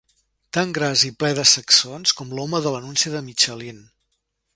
Tan gras i ple de sacsons com l'home de l'anunci de Michelin.